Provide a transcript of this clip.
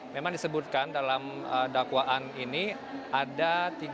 memang disebutkan dalam dakwaan ini ada tiga puluh tujuh